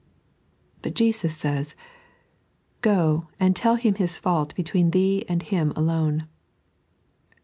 But Jesus says, " Oo and tell him his fault between thee and him alone."